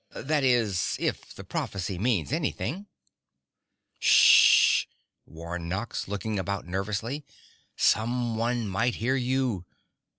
That is, if the prophecy means anything." "Sh hh!" warned Nox, looking about nervously. "Someone might hear you.